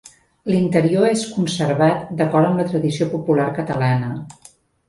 L'interior és conservat d'acord amb la tradició popular catalana.